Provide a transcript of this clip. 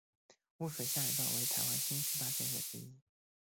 污水下水道为台湾新十大建设之一。